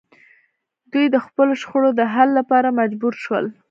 دوی د خپلو شخړو د حل لپاره مجبور شول